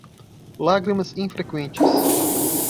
Lágrimas infreqüentes